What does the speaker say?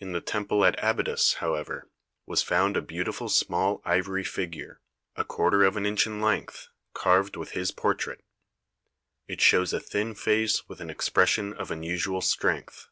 In the temple at Aby dus, however, was found a beautiful small ivory THE PYRAMID OF KHUFU figure, a quarter of an inch in length, carved with his portrait. It shows a thin face with an expres sion of unusual strength.